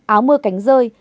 áo mưa cánh rơi